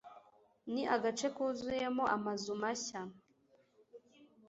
Ni agace kuzuyemo amazu mashya.